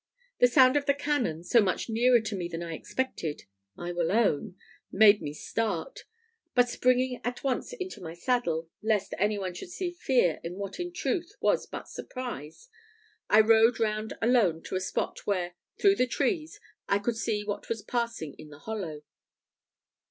The sound of the cannon, so much nearer to me than I expected, I will own, made me start; but springing at once into the saddle, lest any one should see fear in what in truth was but surprise, I rode round alone to a spot where, through the trees, I could see what was passing in the hollow.